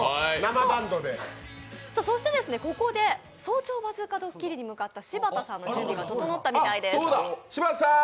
そして、ここで「早朝バズーカ」ドッキリに向かった柴田さんの準備が整ったみたいです。